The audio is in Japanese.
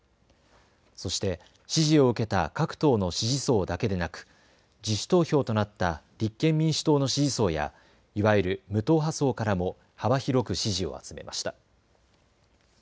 そして支持を受けた各党の支持層だけでなく自主投票となった立憲民主党の支持層やいわゆる無党派層からも幅広く支持を集めました。